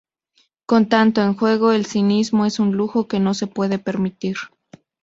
Con tanto en juego, el cinismo es un lujo que no se puede permitir.